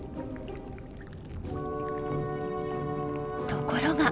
ところが！